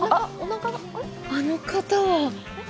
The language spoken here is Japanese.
あの方は。